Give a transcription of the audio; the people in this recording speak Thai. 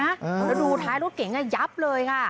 แล้วดูท้ายรถเก๋งยับเลยค่ะ